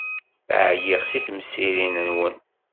Ɛyiɣ seg temsirin-nwen.